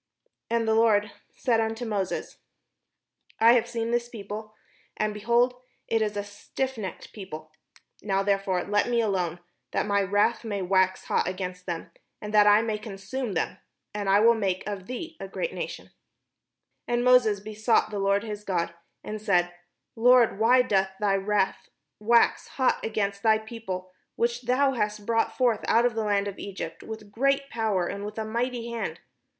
'" And the Lord said unto Moses: 537 PALESTINE "I have seen this people, and, behold, it is a stiffnecked people. Now therefore let me alone, that my wrath may wax hot against them, and that I may consume them; and I will make of thee a great nation," And Moses besought the Lord his God, and said: "Lord, why doth thy wrath wax hot against thy people, which thou hast brought forth out of the land of ^gypt with great power, and with a mighty hand?